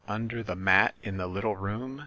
"Under the mat in the little room ?"